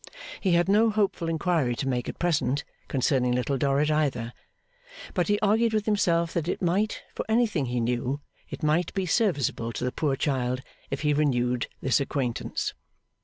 He had no hopeful inquiry to make at present, concerning Little Dorrit either; but he argued with himself that it might for anything he knew it might be serviceable to the poor child, if he renewed this acquaintance.